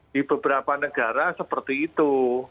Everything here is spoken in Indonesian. di beberapa negara seperti itu